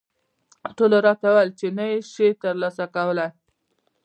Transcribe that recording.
ټولو راته وویل چې نه یې شې ترلاسه کولای.